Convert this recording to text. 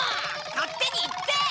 勝手に行って！